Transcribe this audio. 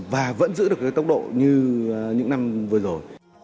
và vẫn giữ được cái tốc độ như những năm vừa rồi